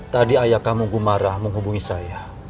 tadi ayah kamu gumarah menghubungi saya